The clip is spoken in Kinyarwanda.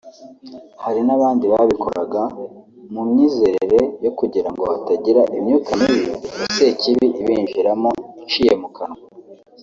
Hari n’abandi babikoraga mu myizerere yo kugirango hatagira imyuka mibi ya sekibi ibinjiramo iciye mu kanwa